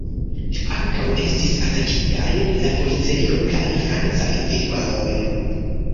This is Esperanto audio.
Ankaŭ estis atakitaj la policejo kaj francaj firmaoj.